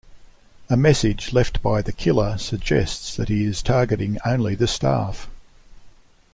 A message left by the killer suggests that he is targeting only the staff.